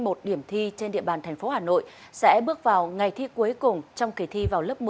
một điểm thi trên địa bàn thành phố hà nội sẽ bước vào ngày thi cuối cùng trong kỳ thi vào lớp một mươi